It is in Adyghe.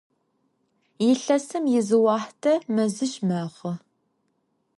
Yilhesım yizıuaxhte meziş mexhu.